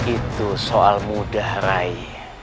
itu soal mudah rai